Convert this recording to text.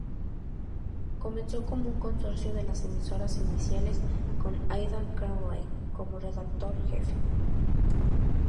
Comenzó como un consorcio de las emisoras iniciales, con Aidan Crawley como redactor jefe.